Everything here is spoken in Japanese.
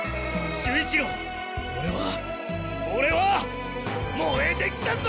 守一郎オレはオレは燃えてきたぞ！